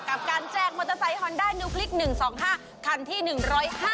กับการแจกมอเตอร์ไซค์ฮอนดานิวคลิก๑๒๕คันที่๑๐๕